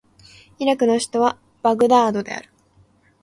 イラクの首都はバグダードである